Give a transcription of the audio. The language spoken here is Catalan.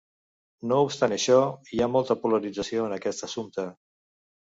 No obstant això, hi ha molta polarització en aquest assumpte.